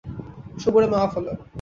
সবুরে মেওয়া ফলে।